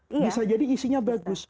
bisa jadi isinya bagus